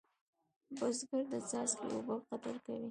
بزګر د څاڅکي اوبه قدر کوي